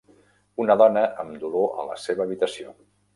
Una dona amb dolor a la seva habitació.